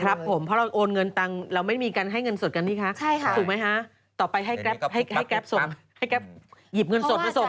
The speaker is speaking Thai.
ครับผมเพราะเราโอนเงินตังค์เราไม่มีการให้เงินสดกันนี่คะถูกไหมคะต่อไปให้แก๊ปส่งให้แก๊ปหยิบเงินสดมาส่ง